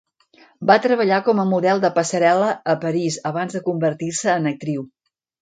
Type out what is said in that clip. Va treballar com a model de passarel·la a París abans de convertir-se en actriu.